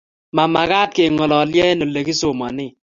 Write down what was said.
Mamagat kengololye eng olegisomanen